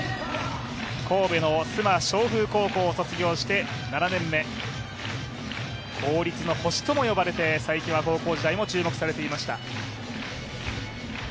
神戸の須磨翔風高校を卒業して７年目、公立の星とも呼ばれて、才木も高校時代、注目されていました。